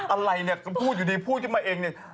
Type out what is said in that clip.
อะไรเนี่ยก็พูดอยู่ดีพูดขึ้นมาเองเนี่ย